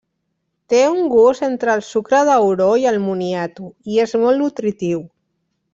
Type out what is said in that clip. Té un gust entre el sucre d'auró i el moniato i és molt nutritiu.